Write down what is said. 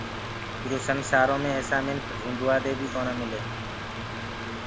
ايٚرو سنسآرو مي ايسآ مِنک ڍوٚنٚڊوادي بيٚ ڪونآ ملي۔